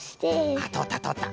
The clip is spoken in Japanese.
あっとおったとおった。